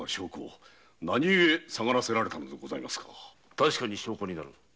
確かに証拠になる。